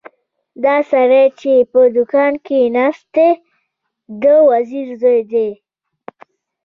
دا سړی چې په دوکان کې ناست دی د وزیر زوی دی.